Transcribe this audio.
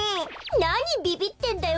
なにビビってんだよ